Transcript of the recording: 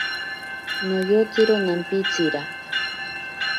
Noyotsiro nampitsira.